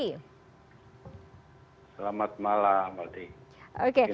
selamat malam malti